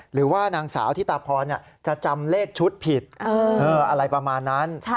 หรือว่านางสาวที่ตาพรจะจำเลขชุดผิดอะไรประมาณนั้น